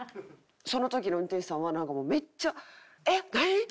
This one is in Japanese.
その時の運転手さんはなんかもうめっちゃえっ何？